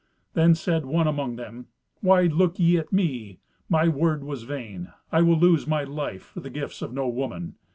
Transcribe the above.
Then said one among them, "Why look ye at me? My word was vain; I will lose my life for the gifts of no woman.